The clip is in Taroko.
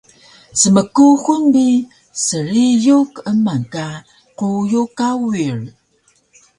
Smkuxul bi sriyu keeman ka quyu kawir